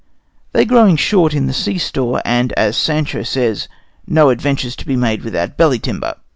They growing short in the sea store, and, as Sancho says, "No adventures to be made without belly timber."